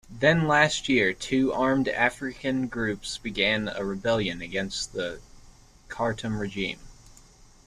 Then, last year, two armed African groups began a rebellion against the Khartoum regime.